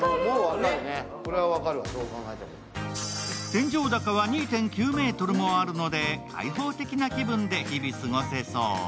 天井高は２．９ｍもあるので開放的な気分で日々過ごせそう。